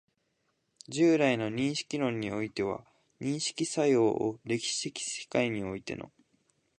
従来の認識論においては、認識作用を歴史的世界においての